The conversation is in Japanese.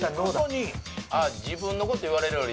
自分の事言われるより。